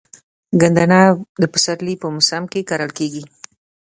ګندنه په پسرلي موسم کې کرل کیږي.